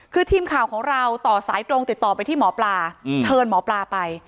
คือทีมข่าวของเราต่อสายตรงติดต่อไปที่หมอปลาเชิญหมอปลาไป